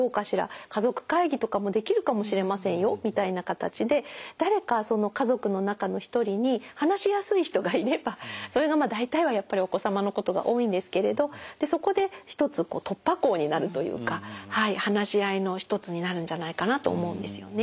家族会議とかもできるかもしれませんよみたいな形で誰か家族の中の一人に話しやすい人がいればそれが大体はやっぱりお子様のことが多いんですけれどそこで一つ突破口になるというか話し合いの一つになるんじゃないかなと思うんですよね。